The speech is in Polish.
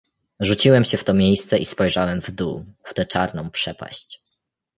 "Rzuciłem się w to miejsce i spojrzałem w dół, w tę czarną przepaść."